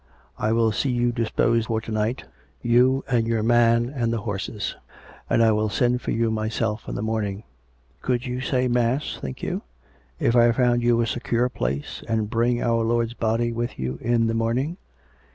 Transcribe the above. I will see you disposed for to night — you and your man and the horses, and I will send for you myself in the morning. Could you say mass, think you.'' if I found you a secure place — and bring Our Lord's Body with you in the morning?